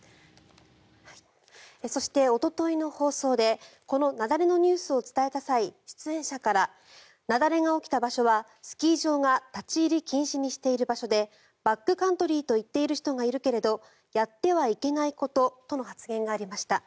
そして、おとといの放送でこの雪崩のニュースを伝えた際出演者から雪崩が起きた場所はスキー場が立ち入り禁止にしている場所でバックカントリーと言っている人がいるけれどやってはいけないこととの発言がありました。